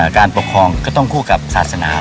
การปกครองก็ต้องคู่กับศาสนา